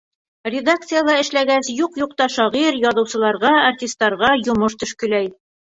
Редакцияла эшләгәс, юҡ-юҡ та шағир, яҙыусыларға, артистарға йомош төшкөләй.